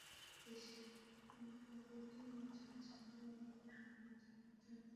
দেশের পিকেটিং চর্চাকে আরও সমৃদ্ধ করতে আপনিও হতে পারেন তাদের একজন।